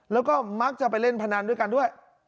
แล้วก็มักจะไปเล่นพนันด้วยกันด้วย